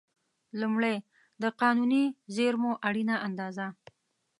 لومړی: د قانوني زېرمو اړینه اندازه.